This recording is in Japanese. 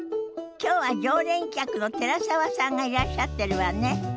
きょうは常連客の寺澤さんがいらっしゃってるわね。